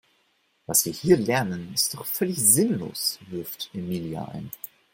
Was wir hier lernen ist doch völlig sinnlos, wirft Emilia ein.